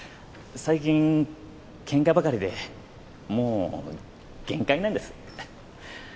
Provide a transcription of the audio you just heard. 最近ケンカばかりでもう限界なんです。